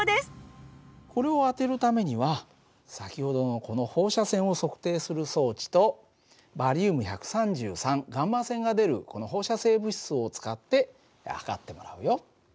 これを当てるためには先ほどのこの放射線を測定する装置とバリウム１３３γ線が出るこの放射性物質を使って測ってもらうよ。